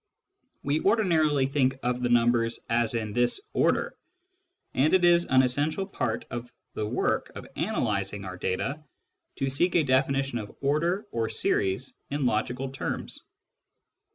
We ordinarily think of the num bers as in this order, and it is an essential part of the work of analysing our data to seek a definition of " order " or " series " in logical terms.